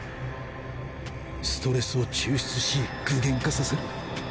ストレスを抽出し具現化させる。